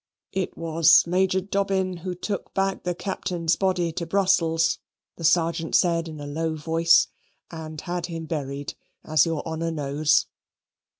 "It was Major Dobbin who took back the Captain's body to Brussels," the Sergeant said, in a low voice, "and had him buried, as your honour knows."